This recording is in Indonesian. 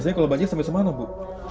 biasanya kalau banjir sampai semana bu